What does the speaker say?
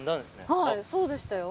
そうでしたよ。